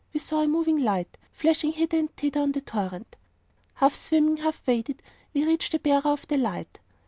we saw a moving light, flashing hither and thither on the torrent. Half swimming, half wading, we reached the bearer of the light.